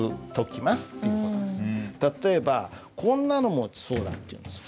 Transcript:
例えばこんなのもそうだっていうんですよ。